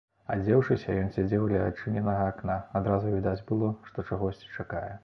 Адзеўшыся, ён сядзеў ля адчыненага акна, адразу відаць было, што чагосьці чакае.